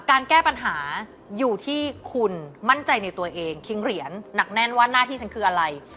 การแก้ปัญหาอยู่ที่คุณมั่นใจในตัวเองคิงเหรียญหนักแน่นว่าหน้าที่ฉันคืออะไร